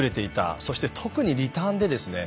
そして特にリターンでですね